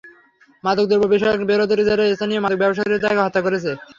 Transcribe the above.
মাদক দ্রব্য বিষয়ক বিরোধের জেরে স্থানীয় মাদক ব্যবসায়ীরা তাঁকে হত্যা করেছে।